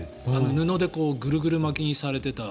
布でぐるぐる巻きにされていた。